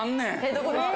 どこですか？